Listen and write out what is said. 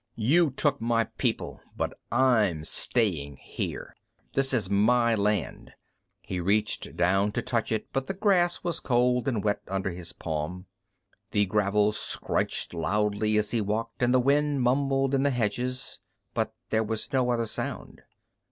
You took my people, but I'm staying here. This is my land. He reached down to touch it, but the grass was cold and wet under his palm. The gravel scrunched loudly as he walked, and the wind mumbled in the hedges, but there was no other sound.